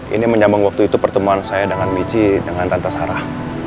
ini menjambang waktu itu pertemuan saya dengan michi dengan tante sarah